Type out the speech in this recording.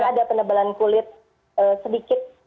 dan ada penebalan kulit sedikit